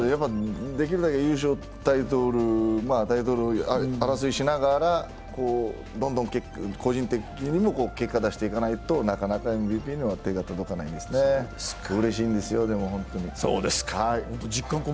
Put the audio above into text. できるだけ優勝タイトル争いしながらどんどん個人的にも結果を出していかないと、なかなかＭＶＰには手が届かないですでもうれしいんですよ。